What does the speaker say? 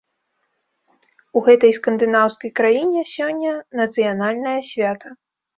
У гэтай скандынаўскай краіне сёння нацыянальнае свята.